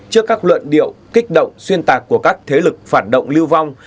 trước các luận điệu kích động xuyên tạc của các thế lực phản động lưu vong